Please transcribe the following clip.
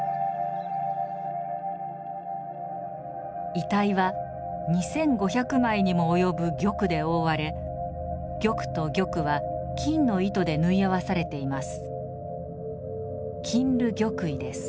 遺体は２，５００枚にも及ぶ玉で覆われ玉と玉は金の糸で縫い合わされています。